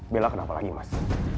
bella kenapa lagi mas